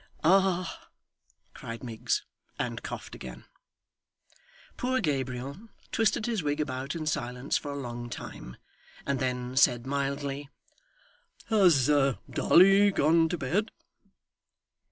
'Ah!' cried Miggs and coughed again. Poor Gabriel twisted his wig about in silence for a long time, and then said mildly, 'Has Dolly gone to bed?